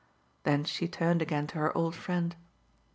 Then she turned again to her old friend.